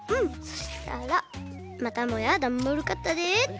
そしたらまたもやダンボールカッターで。